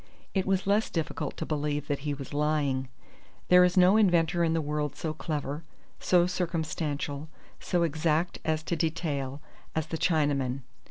It was less difficult to believe that he was lying. There is no inventor in the world so clever, so circumstantial, so exact as to detail, as the Chinaman.